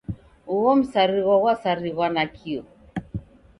Ugho msarigho ghwasarighwa nakio.